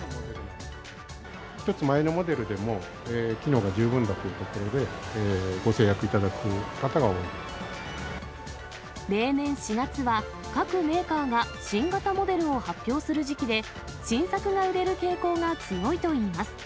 １つ前のモデルでも、機能が十分だということで、例年４月は、各メーカーが新型モデルを発表する時期で、新作が売れる傾向が強いといいます。